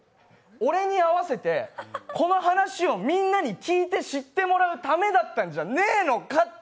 俺に会わせて、この話をみんなに聞いて、知ってもらうためだったんじゃねぇのかって。